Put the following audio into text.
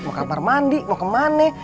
mau ke kamar mandi mau ke mana